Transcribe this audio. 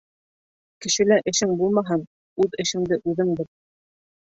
Кешелә эшең булмаһын, үҙ эшеңде үҙең бел.